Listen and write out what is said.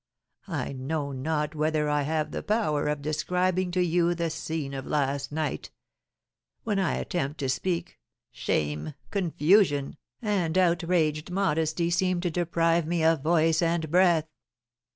I know not whether I have the power of describing to you the scene of last night; when I attempt to speak, shame, confusion, and outraged modesty seem to deprive me of voice and breath."